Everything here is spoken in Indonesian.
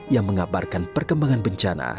yang mengabarkan perkembangan bencana